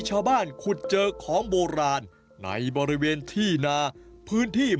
ชาวบ้านขุดเจอของโบราณในบริเวณที่นาพื้นที่